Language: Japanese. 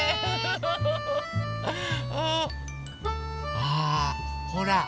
あほら！